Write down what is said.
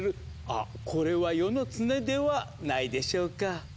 あこれは世の常ではないでしょうか？